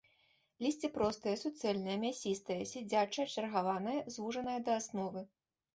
Лісце простае, суцэльнае, мясістае, сядзячае, чаргаванае, звужанае да асновы.